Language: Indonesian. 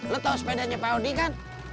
lo tau sepedanya pak odi kan